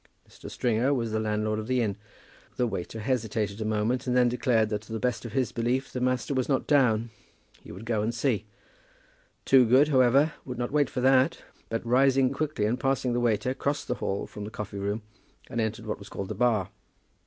Mr. Stringer was the landlord of the inn. The waiter hesitated a moment, and then declared that to the best of his belief his master was not down. He would go and see. Toogood, however, would not wait for that; but rising quickly and passing the waiter, crossed the hall from the coffee room, and entered what was called the bar.